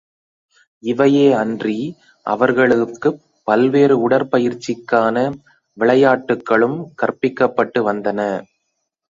இவையே அன்றி அவர்களுக்குப் பல்வேறு உடற்பயிற்சிக்கான விளையாட்டுக்களும் கற்பிக்கப்பட்டு வந்தன.